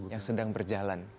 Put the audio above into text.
yang sedang berjalan